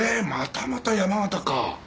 またまた山形か。